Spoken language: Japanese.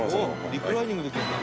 「リクライニングできるんだ」